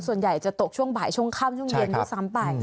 ส่วนใหญ่จะตกช่วงบ่ายช่วงข้ามช่วงเย็นทุกสามบ่าย